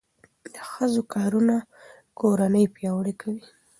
د ښځو کار کورنۍ پیاوړې کوي.